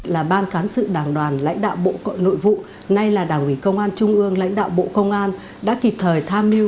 là ban cán sự đảng đoàn lãnh đạo bộ nội vụ nay là đảng ủy công an trung ương lãnh đạo bộ công an đã kịp thời tham mưu